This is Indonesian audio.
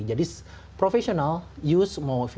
jadi para profesional yang mau menggunakan video editing atau fotografi